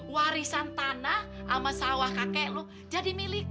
warisan tanah sama sawah kakek lo jadi milikku